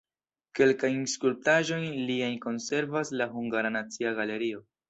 Kelkajn skulptaĵojn liajn konservas la Hungara Nacia Galerio.